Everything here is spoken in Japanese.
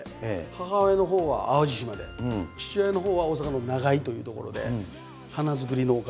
母親のほうは淡路島で父親のほうは大阪の長居という所で花作り農家。